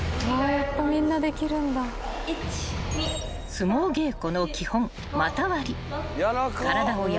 ［相撲稽古の基本］